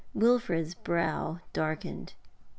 Wilfrid's brow darkened.